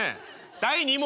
第２問。